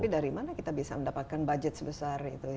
dari mana kita bisa mendapatkan budget sebesar itu